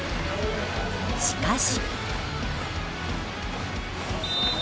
しかし。